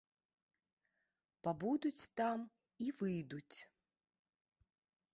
Пабудуць там і выйдуць!